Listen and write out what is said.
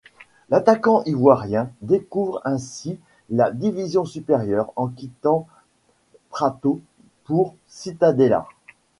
L'attaquant ivoirien découvre ainsi la division supérieur en quittant Prato pour Cittadella.